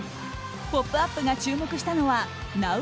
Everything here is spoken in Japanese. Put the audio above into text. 「ポップＵＰ！」が注目したのはＮＯＷ！！